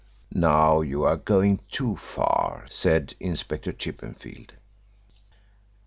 "Now you are going too far," said Inspector Chippenfield.